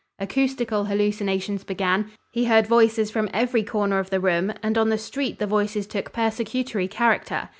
Acoustical hallucinations began; he heard voices from every corner of the room, and on the street the voices took persecutory character.